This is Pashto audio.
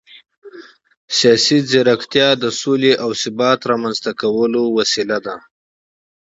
ډیپلوماسي د سولې او ثبات د رامنځته کولو وسیله ده.